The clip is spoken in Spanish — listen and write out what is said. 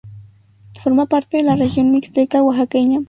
Forma parte de la Región Mixteca Oaxaqueña.